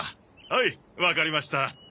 はいわかりました。